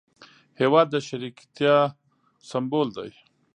هېواد د شریکتیا سمبول دی.